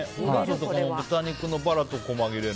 豚肉のバラと細切れも。